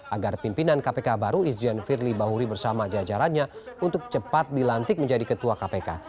agar pimpinan kpk baru ijen firly bahuri bersama jajarannya untuk cepat dilantik menjadi ketua kpk